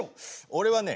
俺はね